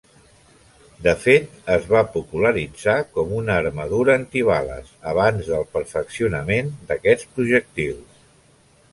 De fet, es va popularitzar com una armadura antibales abans del perfeccionament d'aquests projectils.